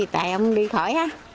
tại ổng đi khỏi á